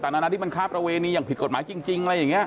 นานาที่มันค้าประเวณีอย่างผิดกฎหมายจริงอะไรอย่างนี้